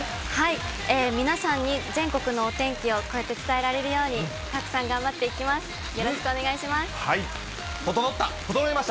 皆さんに全国のお天気を、こうやって伝えられるように、たくさん頑張っていきます。